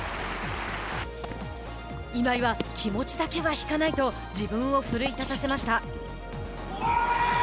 今井は、気持ちだけは引かないと自分を奮い立たせました。